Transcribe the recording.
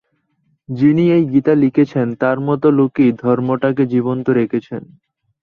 যিনি এই গীতা লিখেছেন, তাঁর মত লোকই ধর্মটাকে জীবন্ত রেখেছেন।